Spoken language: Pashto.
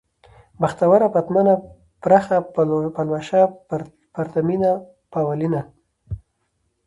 بختوره ، پتمنه ، پرخه ، پلوشه ، پرتمينه ، پاولينه